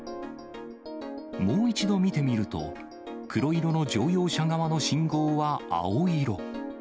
もう一度見てみると、黒色の乗用車側の信号は青色。